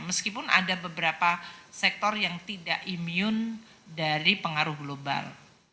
meskipun ada beberapa sektor yang tidak imun dari pengaruh global